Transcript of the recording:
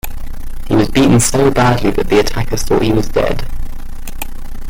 He was beaten so badly that the attackers thought he was dead.